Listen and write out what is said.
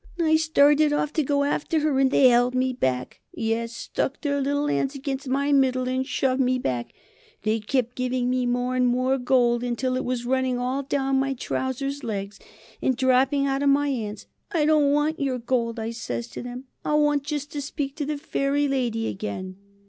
I started off to go after her and they held me back. Yes, stuck their little 'ands against my middle and shoved me back. They kept giving me more and more gold until it was running all down my trouser legs and dropping out of my 'ands. 'I don't WANT yer gold,' I says to them, 'I want just to speak to the Fairy Lady again.'"